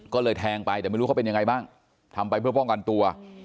ก็เลยแทงไปแต่ไม่รู้เขาเป็นยังไงบ้างทำไปเพื่อป้องกันตัว